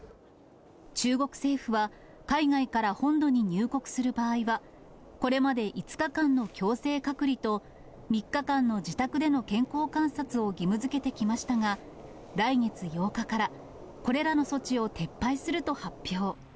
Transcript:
中国政府は、海外から本土に入国する場合は、これまで５日間の強制隔離と３日間の自宅での健康観察を義務づけてきましたが、来月８日からこれらの措置を撤廃すると発表。